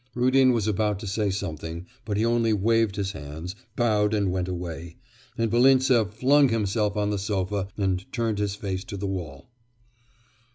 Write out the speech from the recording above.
Rudin was about to say something, but he only waved his hands, bowed and went away, and Volintsev flung himself on the sofa and turned his face to the wall.